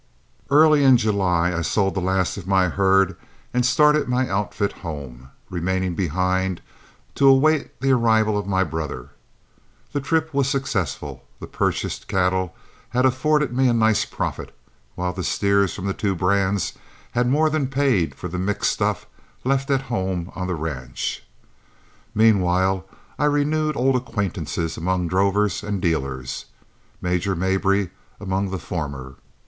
Early in July I sold the last of my herd and started my outfit home, remaining behind to await the arrival of my brother. The trip was successful; the purchased cattle had afforded me a nice profit, while the steers from the two brands had more than paid for the mixed stuff left at home on the ranch. Meanwhile I renewed old acquaintances among drovers and dealers, Major Mabry among the former.